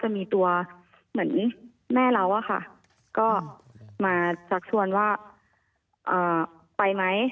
มีตัวเหมือนแม่เรา